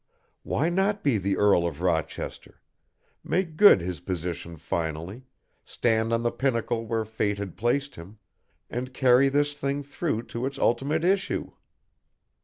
Why not be the Earl of Rochester, make good his position finally, stand on the pinnacle where Fate had placed him, and carry this thing through to its ultimate issue?